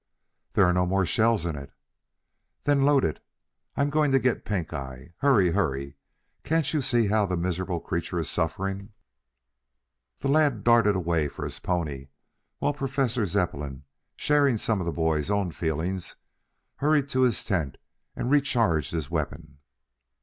"There are no more shells in it." "Then load it. I'm going to get Pink eye. Hurry, hurry! Can't you see how the miserable creature is suffering?" The lad darted away for his pony, while Professor Zepplin, sharing something of the boy's own feelings, hurried to his tent and recharged his weapon.